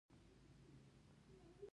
د ټکي یا نقطې لپاره جمله ولیکي.